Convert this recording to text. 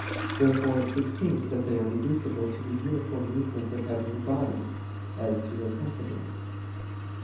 Therefore it seems that they are reducible to the uniform movements of heavenly bodies, as to their principles.